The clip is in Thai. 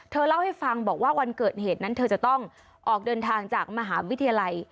เล่าให้ฟังบอกว่าวันเกิดเหตุนั้นเธอจะต้องออกเดินทางจากมหาวิทยาลัย